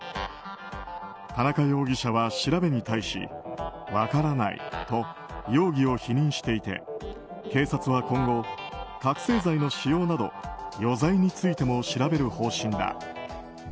田中容疑者は調べに対し分からないと容疑を否認していて警察は今後、覚醒剤の使用など余罪についても調べる方針だ。